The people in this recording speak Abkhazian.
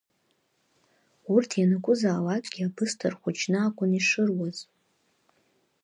Урҭ ианакәзаалакгьы абысҭа рхәыҷны акәын ишыруаз.